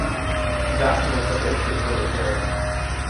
He's acting like the ultimate proletarian.